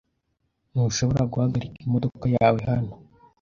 Ntushobora guhagarika imodoka yawe hano.